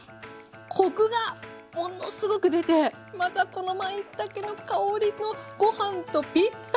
コクがものすごく出てまたこのまいたけの香りのご飯とぴったり！